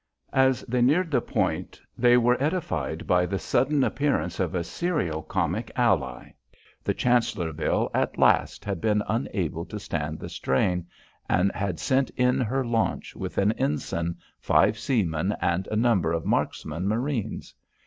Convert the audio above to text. As they neared the point they were edified by the sudden appearance of a serio comic ally. The Chancellorville at last had been unable to stand the strain, and had sent in her launch with an ensign, five seamen and a number of marksmen marines.